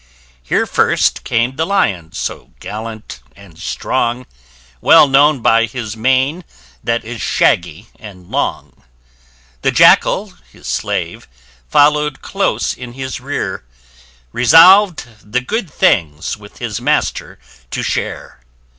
Here first came the Lion so gallant and strong, Well known by his main that is shaggy and long; The Jackall, his slave, follow'd close in his rear, Resolv'd the good things with his master to share.